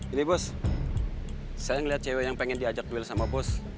ini bos saya melihat cewek yang pengen diajak duit sama bus